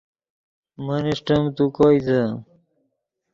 من اݰٹیم تو کوئیتے